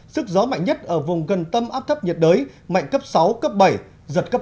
sức gió mạnh nhất ở vùng gần tâm áp thấp nhiệt đới mạnh cấp sáu cấp bảy giật cấp tám